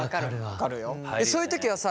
そういう時はさ